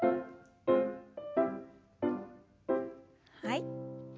はい。